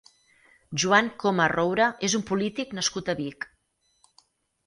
Joan Coma Roura és un polític nascut a Vic.